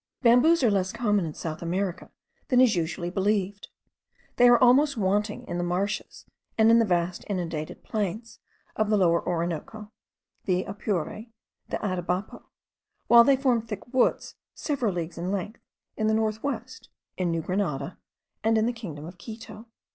Bamboos are less common in South America than is usually believed. They are almost wanting in the marshes and in the vast inundated plains of the Lower Orinoco, the Apure, and the Atabapo, while they form thick woods, several leagues in length, in the north west, in New Grenada, and in the kingdom of Quito.